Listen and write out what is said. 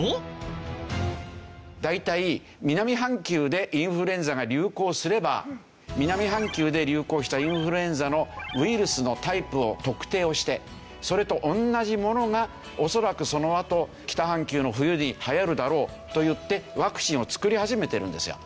大体南半球でインフルエンザが流行すれば南半球で流行したインフルエンザのウイルスのタイプを特定をしてそれと同じものが恐らくそのあと北半球の冬に流行るだろうといってワクチンを作り始めてるんですよ。